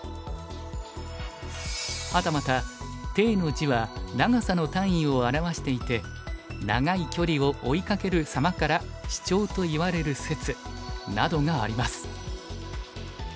はたまた「丁」の字は長さの単位を表していて長い距離を追いかける様からシチョウといわれる説などがあります。